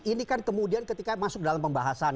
ini kan kemudian ketika masuk dalam pembahasan